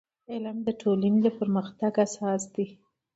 • علم د ټولنې د پرمختګ اساس دی.